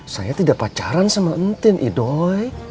saya tidak pacaran sama entin idoy